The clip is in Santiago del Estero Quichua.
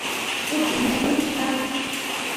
uchu ancha sinchi kan